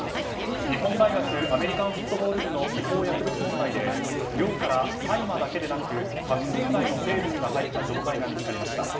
日本大学アメリカンフットボール部の違法薬物問題で寮から大麻だけでなく覚醒剤の成分が入った錠剤が見つかりました。